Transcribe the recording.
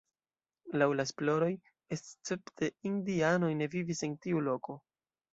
Laŭ la esploroj escepte indianoj ne vivis en tiu loko.